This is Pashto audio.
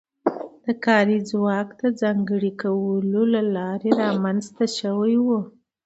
د کاري ځواک د ځانګړي کولو له لارې رامنځته شوې وه.